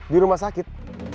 di rumah sakit